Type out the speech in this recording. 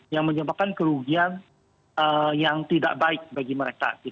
yang menyebabkan kerugian yang tidak baik bagi mereka